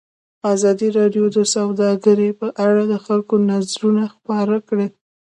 ازادي راډیو د سوداګري په اړه د خلکو نظرونه خپاره کړي.